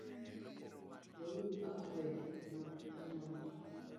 Weuru akwede mag anyuola